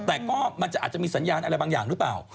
แต่ก็มันจะอาจจะมีสัญญาณอะไรบางอย่างหรือเปล่า